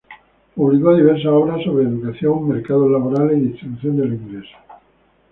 Publicó diversas obras sobre educación, mercados laborales y distribución del ingreso.